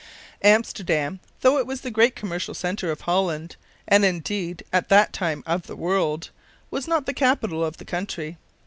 Amsterdam, though it was the great commercial centre of Holland and, indeed, at that time, of the world was not the capital of the country.